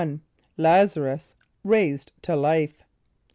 Lazarus Raised to Life.